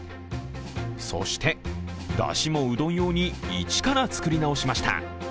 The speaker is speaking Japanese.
そして、だしもうどん用にいちから作り直しました。